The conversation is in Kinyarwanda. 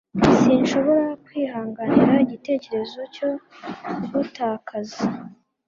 Sinshobora kwihanganira igitekerezo cyo kugutakaza